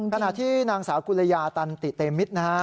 ขณะที่นางสาวกุลยาตันติเตมิตรนะฮะ